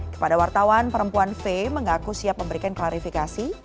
kepada wartawan perempuan v mengaku siap memberikan klarifikasi